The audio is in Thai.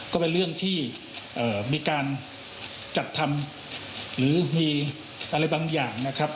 ก็เป็นเรื่องที่มีการจัดทำหรือมีอะไรบางอย่างนะครับ